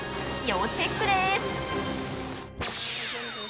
要チェックです！